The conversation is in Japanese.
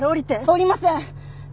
降りません！